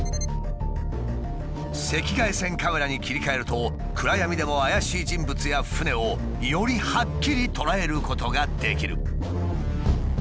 赤外線カメラに切り替えると暗闇でも怪しい人物や船をよりはっきり捉えることができる。